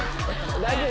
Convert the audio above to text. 大丈夫？